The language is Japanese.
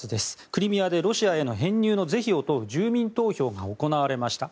クリミアでロシアへの編入の是非を問う住民投票が行われました。